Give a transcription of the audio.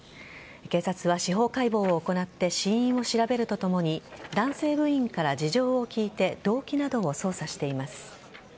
警察は司法解剖を行って死因を調べるとともに男性部員から事情を聴いて動機などを捜査しています。